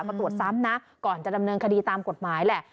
มาตรวจซ้ำนะก่อนจะดำเนินคดีตามกฎหมายแหละ